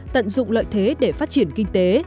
tận dụng lợi thế để phát triển kinh tế